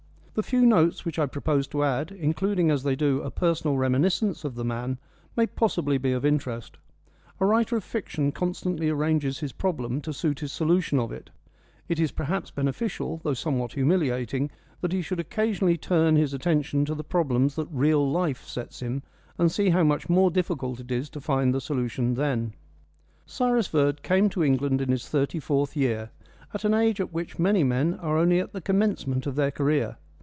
The few notes which I propose to add, including as they do a personal reminiscence of the man, may possibly be of interest. A writer of fiction constantly arranges his problem to suit his solution of it; it is perhaps beneficial, though somewhat humiliating, that he should occasionally turn his attention to the problems that real life sets him, and see how much more difficult it is to find the solution then. Cyrus Verd came to England in his thirty fourth year, an age at which many men are only at the commencement of their career.